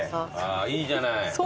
いいじゃない。